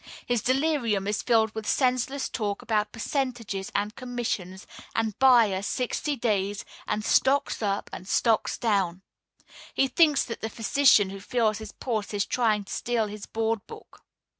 His delirium is filled with senseless talk about "percentages" and "commissions" and "buyer, sixty days," and "stocks up," and "stocks down." He thinks that the physician who feels his pulse is trying to steal his "board book."